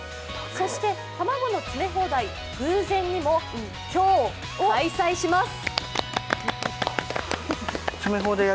そして卵の詰め放題、偶然にも今日開催します。